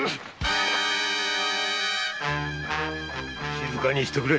⁉静かにしてくれ。